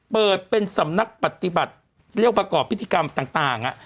เปิดเป็นสำนักปฏิบัติเรียกประกอบพิธีกรรมต่าง